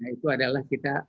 itu adalah kita